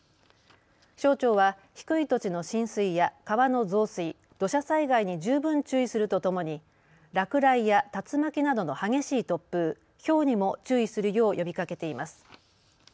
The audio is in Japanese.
気象庁は低い土地の浸水や川の増水、土砂災害に十分注意するとともに落雷や竜巻などの激しい突風、ひょうにも注意するよう呼びかけています。